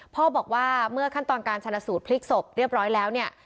พ่อบอกว่าเมื่อขั้นตอนการชนะสูตรพลิกศพเรียบร้อยแล้วเนี่ย